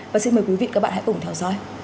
và xin mời quý vị các bạn hãy cùng theo dõi